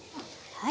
はい。